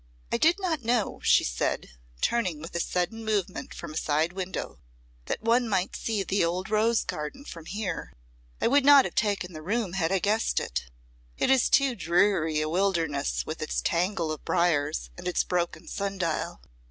"I did not know," she said, turning with a sudden movement from a side window, "that one might see the old rose garden from here. I would not have taken the room had I guessed it. It is too dreary a wilderness, with its tangle of briars and its broken sun dial."